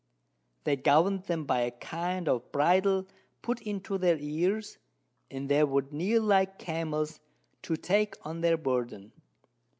They govern'd them by a kind of Bridle put thro' their Ears, and they would kneel like Camels, to take on their Burden.